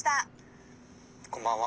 「こんばんは。